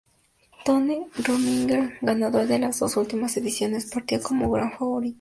Tony Rominger, ganador de las dos últimas ediciones, partía como gran favorito.